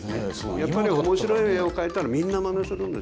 やっぱり面白い絵を描いたらみんなまねするんです。